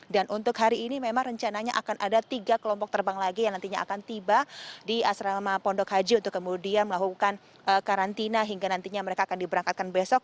dan untuk hari ini memang rencananya akan ada tiga kelompok terbang lagi yang nantinya akan tiba di asrama pondok haji untuk kemudian melakukan karantina hingga nantinya mereka akan diberangkatkan besok